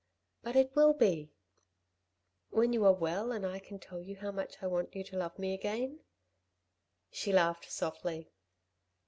But it will be ... when you are well and I can tell you how much I want you to love me again " She laughed softly.